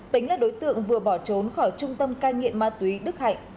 tính là đối tượng vừa bỏ trốn khỏi trung tâm cai nghiện ma túy đức hạnh